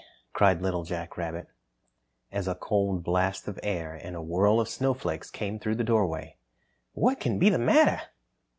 cried Little Jack Rabbit, as a cold blast of air and a whirl of snowflakes came through the doorway, "What can be the matter?"